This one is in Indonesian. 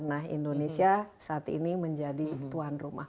nah indonesia saat ini menjadi tuan rumah